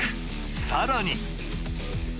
さらに。